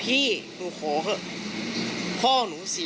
ถ้าเขาถูกจับคุณอย่าลืม